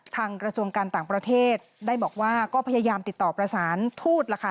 กระทรวงการต่างประเทศได้บอกว่าก็พยายามติดต่อประสานทูตล่ะค่ะ